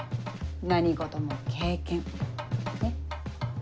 何事も経験ねっ。